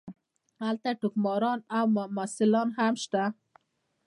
هلته ټګماران او ممثلان هم شته.